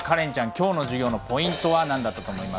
今日の授業のポイントは何だったと思いますか？